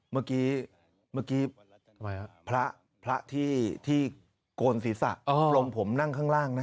เมื่อกี้เมื่อกี้พระที่โกนศีรษะลงผมนั่งข้างล่างนะ